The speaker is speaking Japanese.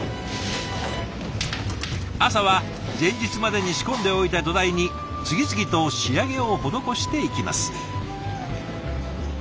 朝は前日までに仕込んでおいた土台に次々と仕上げを施していきます。